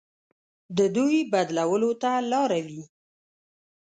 د دوی بدلولو ته لاره وي.